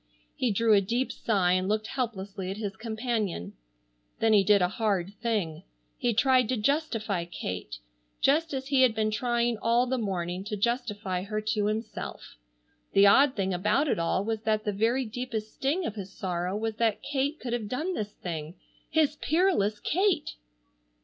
He drew a deep sigh and looked helplessly at his companion. Then he did a hard thing. He tried to justify Kate, just as he had been trying all the morning to justify her to himself. The odd thing about it all was that the very deepest sting of his sorrow was that Kate could have done this thing! His peerless Kate!